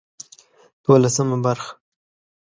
دولسمه برخه